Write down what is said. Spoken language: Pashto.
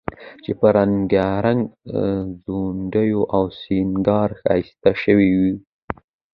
چې په رنګارنګ ځونډیو او سینګار ښایسته شوی و،